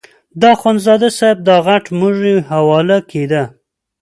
د اخندزاده صاحب دا غټ موږی حواله کېده.